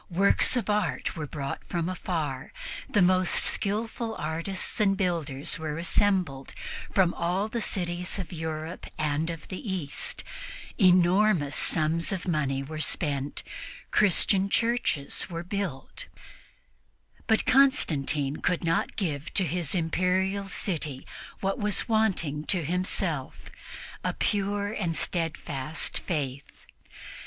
Works of art were brought from afar, the most skillful artists and builders were assembled from all the cities of Europe and of the East, enormous sums of money were spent, Christian churches were built; but Constantine could not give to his Imperial city what was wanting to himself a pure and steadfast faith.